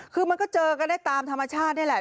คือมันก็เจอกันได้ตามธรรมชาตินี่แหละ